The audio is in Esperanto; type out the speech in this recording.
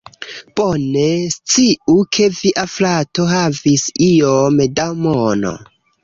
Bone, sciu ke via frato havis iom da mono